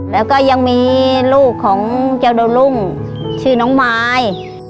แล้วก็ยังมีลูกของเจ้าดาวรุ่งชื่อน้องมาย